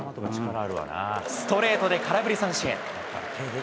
ストレートで空振り三振。